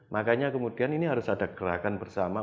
makanya kemudian ini harus ada gerakan bersama